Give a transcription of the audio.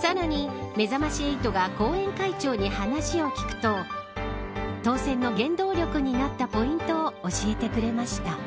さらに、めざまし８が後援会長に話を聞くと当選の原動力になったポイントを教えてくれました。